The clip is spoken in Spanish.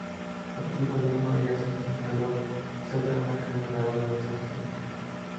Su antiguo alumno Gerson se instaló cerca en una casa de la orden celestina.